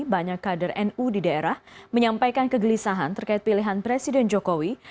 banyak kader nu di daerah menyampaikan kegelisahan terkait pilihan presiden jokowi